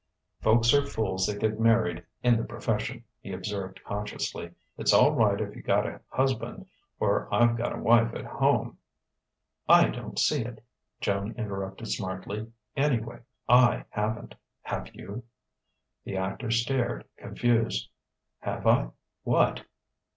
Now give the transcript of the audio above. "Folks are fools that get married in the profession," he observed consciously. "It's all right if you've got a husband or I've got a wife at home " "I don't see it," Joan interrupted smartly. "Anyway, I haven't. Have you?" The actor stared, confused. "Have I what?"